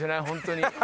本当に。